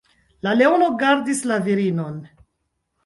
La leono gardis la virinon.